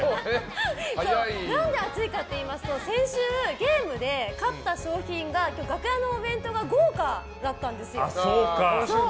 なんで暑いかって言いますと先週ゲームで勝った賞品が今日、楽屋のお弁当が豪華だったんですよ。